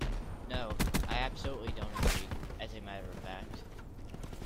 No, I absolutely don't agree, as a matter of fact